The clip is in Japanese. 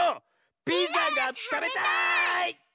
ピザがたべたい！